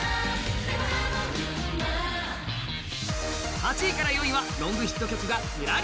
８位から４位はロングヒット曲がずらり。